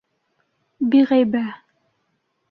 Биғәйбә.